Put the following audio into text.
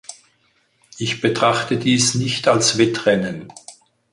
Ich betrachte dies nicht als Wettrennen.